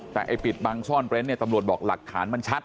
แต่ปิดบังซ่อนเปร้นตำรวจบอกหลักฐานมันชัด